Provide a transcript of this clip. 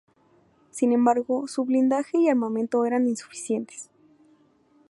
Sin embargo, su blindaje y armamento eran insuficientes.